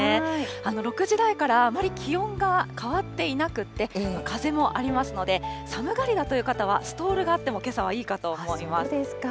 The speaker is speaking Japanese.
６時台からあまり気温が変わっていなくて、風もありますので、寒がりだという方はストールがあってもけさはいいかと思います。